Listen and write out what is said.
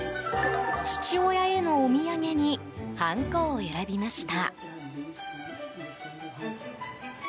父親へのお土産にハンコを選びました。